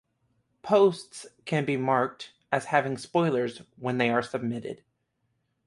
Posts can be marked as having spoilers when they are submitted.